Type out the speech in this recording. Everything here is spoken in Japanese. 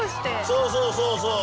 そうそうそうそう。